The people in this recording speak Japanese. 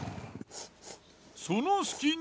その隙に。